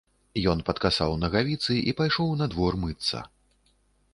Ён падкасаў нагавіцы і пайшоў на двор мыцца.